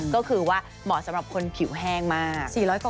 ก็คือว่าเหมาะสำหรับคนผิวแห้งมาก